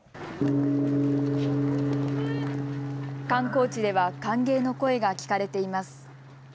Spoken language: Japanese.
観光地では歓迎の声が聞かれています。